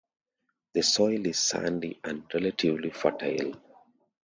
The soil is sandy and relatively fertile.